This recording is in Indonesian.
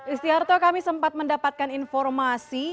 istiarto kami sempat mendapatkan informasi